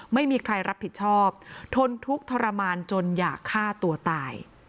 ไม่มีใครรับผิดชอบทนทุกข์ทรมานจนอยากฆ่าตัวตาย